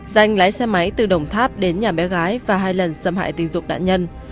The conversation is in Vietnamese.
danh lái xe máy từ đồng tháp đến nhà bé gái và hai lần xâm hại tình dục nạn nhân